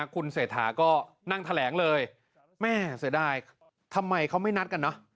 คุณเศรษฐาก็นั่งแทรงเลยสุดท้ายทำไมเขาไม่นัดกัน